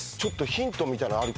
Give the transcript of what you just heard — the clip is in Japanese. ヒントみたいなのある。